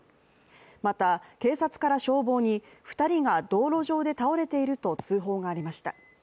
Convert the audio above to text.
また、警察から消防に２人が道路上で倒れていると通報がありました。